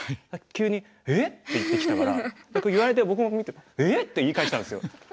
急に「えっ？」って言ってきたから僕言われて僕も見て「えっ？」って言い返したんですよ。